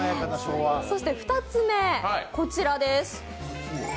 そして２つ目、こちらです。